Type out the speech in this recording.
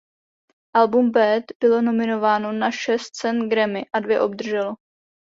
Album "Bad" bylo nominováno na šest cen Grammy a dvě obdrželo.